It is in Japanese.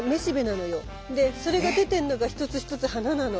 でそれが出てんのが一つ一つ花なの。